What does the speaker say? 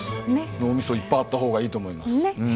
脳みそいっぱいあった方がいいと思います。